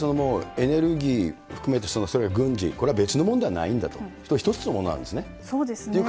エネルギー含めて軍事、これは別のものではないんだと、一つのものなんですね。